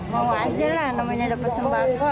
mau aja lah namanya dapat sembako